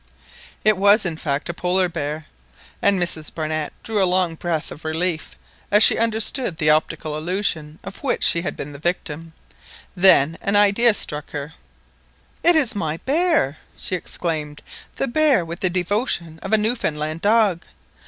It was, in fact, a Polar bear, and Mrs Barnett drew a long breath of relief as she understood the optical illusion of which she had been the victim. Then an idea struck her. "It is my bear!" she exclaimed, "the bear with the devotion of a Newfoundland dog!